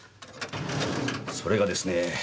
それがですね